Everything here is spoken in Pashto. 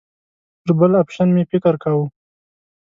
پر بل اپشن مې فکر کاوه.